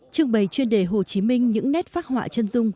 trưng bày chuyên đề hồ chí minh những nét phác họa chân dung